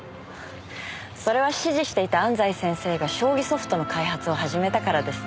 それは師事していた安西先生が将棋ソフトの開発を始めたからです。